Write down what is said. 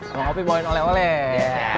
bang ovi bawain oleh oleh